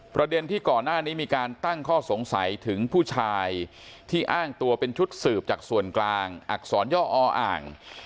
ประเด็นที่ก่อนหน้านี้มีการตั้งข้อสงสัยถึงผู้ชายที่อ้างตัวเป็นชุดสืบจากส่วนกลางอักษรย่ออ่าง